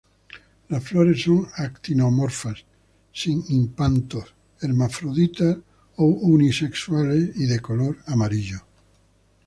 Las flores son actinomorfas, sin hipanto, hermafroditas o unisexuales, y de color amarillo.